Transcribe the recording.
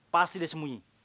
pasti dia sembunyi